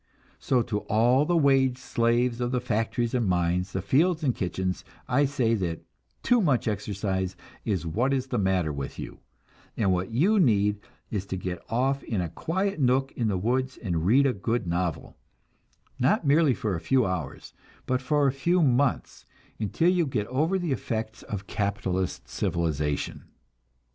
So to all the wage slaves of the factories and mines, the fields and the kitchens, I say that too much exercise is what is the matter with you, and what you need is to get off in a quiet nook in the woods and read a good novel, not merely for a few hours, but for a few months, until you get over the effects of capitalist civilization.